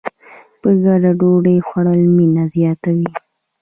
په ګډه ډوډۍ خوړل مینه زیاتوي.